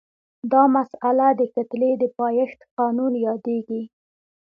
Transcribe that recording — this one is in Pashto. دا مسئله د کتلې د پایښت قانون یادیږي.